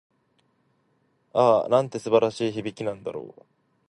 ああ、なんて素晴らしい響きなんだろう。